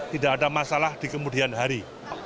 tidak ada masalah di kemudian hari